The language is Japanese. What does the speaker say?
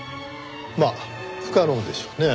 まあ不可能でしょうねえ。